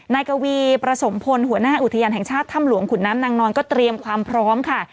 นายกวีประสมพลหัวหน้าอุทยานแห่งชาติถ้ำหลวงขุนน้ำนางนอนก็เตรียมความพร้อมค่ะ